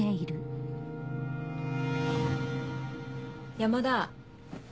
山田。